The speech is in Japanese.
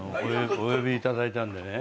お呼びいただいたんでね。